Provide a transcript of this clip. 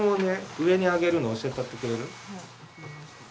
上に上げるの教えてやってくれる？